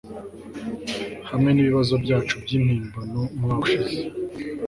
hamwe nibibazo byacu byimpimbano umwaka ushize